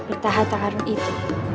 pertahatan karun itu